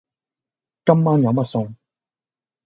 今晚有咩餸？